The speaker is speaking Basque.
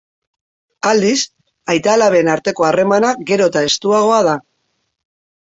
Aldiz, aita-alaben arteko harremana gero eta estuagoa da.